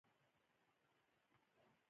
ژوند بیا ارزښت وموند او خوښۍ او سوله راغله